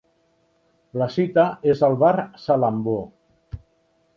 La cita és al Bar Salambó.